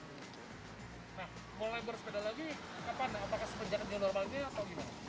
nah mulai bersepeda lagi kapan apakah semenjaknya normalnya atau gimana